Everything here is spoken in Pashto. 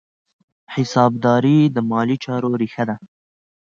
حسابداري د مالي چارو ریښه ده.